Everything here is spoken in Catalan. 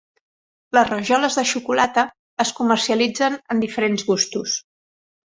Les rajoles de xocolata es comercialitzen en diferents gustos.